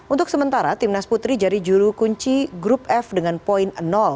untuk sementara timnas putri jadi juru kunci grup f dengan poin